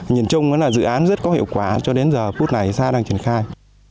nhìn chung dự án rất có hiệu quả cho đến giờ phút này xa đang triển khai